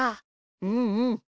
うんうん。